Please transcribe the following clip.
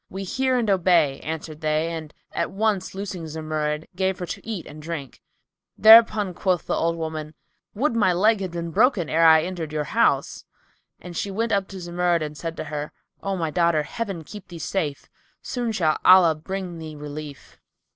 "We hear and obey," answered they and at once loosing Zumurrud, gave her to eat and drink. Thereupon quoth the old woman, "Would my leg had been broken, ere I entered your house!" And she went up to Zumurrud and said to her, "O my daughter, Heaven keep thee safe; soon shall Allah bring thee relief."